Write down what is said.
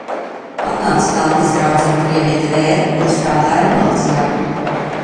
Atnāca tantes draudzene krieviete Vēra, kura strādāja milicijā.